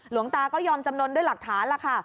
หลวงตาก็ยอมจำนวนด้วยหลักฐานล่ะค่ะ